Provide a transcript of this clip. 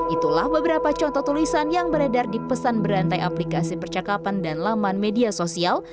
itulah beberapa contoh tulisan yang beredar di pesan berantai aplikasi percakapan dan laman media sosial